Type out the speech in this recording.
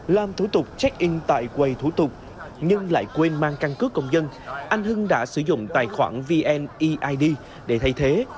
làm thủ tục check in tại quầy thủ tục nhưng lại quên mang căn cứ công dân anh hưng đã sử dụng tài khoản vneid để thay thế